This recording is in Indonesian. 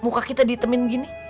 muka kita diitemin begini